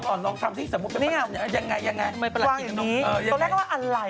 ลองลองลองลองทำที่มันไปเป็นประหลาดอย่างไร